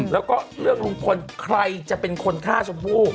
แล้วก็เรื่องลุงพลใครจะเป็นคนฆ่าชมพู่